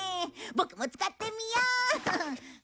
ボクも使ってみよう。